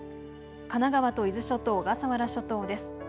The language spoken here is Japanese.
神奈川と伊豆諸島、小笠原諸島です。